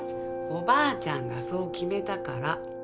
おばあちゃんがそう決めたから。